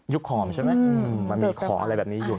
ยุคหมมีจริงอะไรแบบนี้อยู่